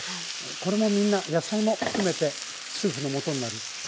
これもみんな野菜も含めてスープのもとになるんですね。